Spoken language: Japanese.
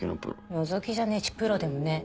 覗きじゃねえしプロでもねえ。